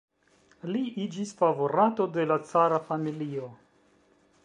Li iĝis favorato de la cara familio.